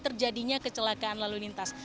terjadinya kecelakaan lalu lintas